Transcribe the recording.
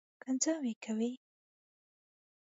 کنځاوې کوي.